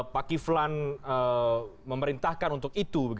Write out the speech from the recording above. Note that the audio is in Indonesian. pak kiflan memerintahkan untuk itu